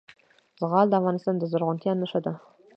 زغال د افغانستان د زرغونتیا نښه ده.